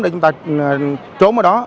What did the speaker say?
để chúng ta trốn ở đó